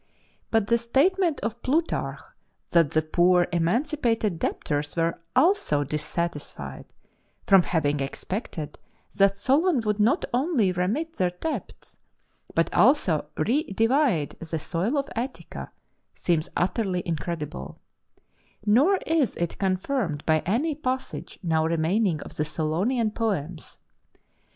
But the statement of Plutarch that the poor emancipated debtors were also dissatisfied, from having expected that Solon would not only remit their debts, but also redivide the soil of Attica, seems utterly incredible; nor is it confirmed by any passage now remaining of the Solonian poems.